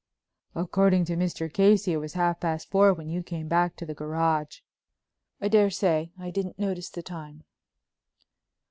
"According to Mr. Casey it was half past four when you came back to the garage." "I daresay; I didn't notice the time."